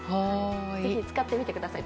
ぜひ使ってみてください。